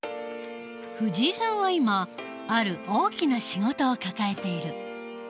藤井さんは今ある大きな仕事を抱えている。